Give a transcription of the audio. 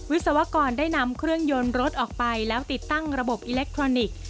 วิศวกรได้นำเครื่องยนต์รถออกไปแล้วติดตั้งระบบอิเล็กทรอนิกส์